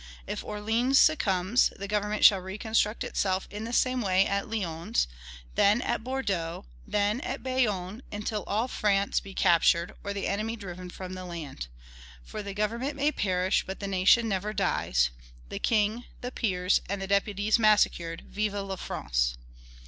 "If Orleans succumbs, the government shall reconstruct itself in the same way at Lyons; then at Bordeaux, then at Bayonne, until all France be captured or the enemy driven from the land. For the government may perish, but the nation never dies. The king, the peers, and the deputies massacred, VIVE LA FRANCE!"